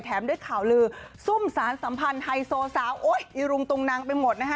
ด้วยข่าวลือซุ่มสารสัมพันธ์ไฮโซสาวโอ๊ยอีรุงตุงนังไปหมดนะคะ